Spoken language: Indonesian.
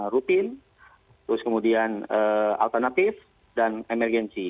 routine terus kemudian alternatif dan emergency